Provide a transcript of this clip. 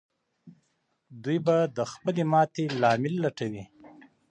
دوی به د خپلې ماتې لامل لټوي.